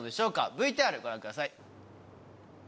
ＶＴＲご覧ください。